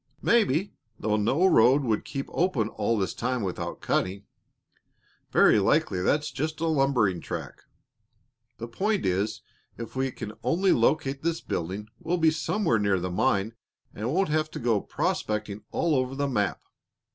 "Maybe, though no road would keep open all this time without cutting. Very likely that's just a lumbering track. The point is, if we can only locate this building, we'll be somewhere near the mine and won't have to go prospecting all over the map.